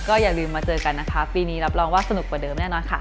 อย่าลืมมาเจอกันนะคะปีนี้รับรองว่าสนุกกว่าเดิมแน่นอนค่ะ